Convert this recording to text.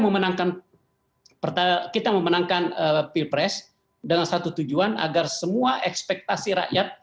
memenangkan pertama kita memenangkan pilpres dengan satu tujuan agar semua ekspektasi rakyat